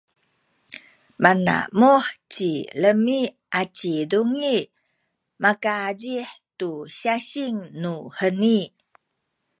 manamuh ci Imi aci Dungi makazih tu syasing nuheni.